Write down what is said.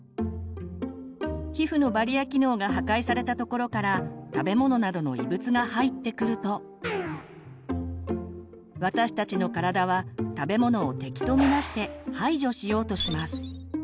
皮膚のバリア機能が破壊された所から食べ物などの異物が入ってくると私たちの体は食べ物を敵と見なして排除しようとします。